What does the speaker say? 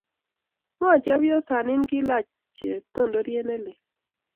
Ngo chepyosanin kilaach cheptondoriet nelel